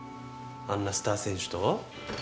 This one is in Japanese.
あんなスター選手と？